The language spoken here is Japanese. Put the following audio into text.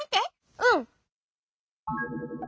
うん！